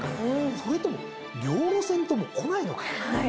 それとも両路線ともこないのか。